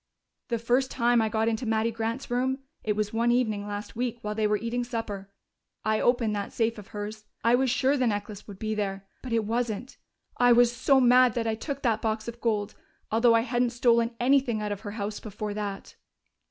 "The first time I got into Mattie Grant's room it was one evening last week, while they were eating supper I opened that safe of hers. I was sure the necklace would be there. But it wasn't. I was so mad that I took that box of gold, although I hadn't stolen anything out of her house before that."